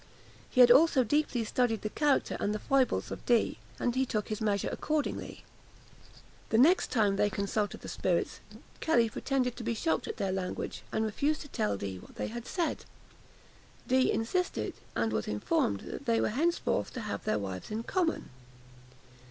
He had also deeply studied the character and the foibles of Dee; and he took his measures accordingly. The next time they consulted the spirits, Kelly pretended to be shocked at their language, and refused to tell Dee what they had said. Dee insisted, and was informed that they were henceforth to have their wives in common.